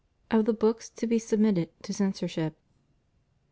Of the Books to be Submitted to Censorship.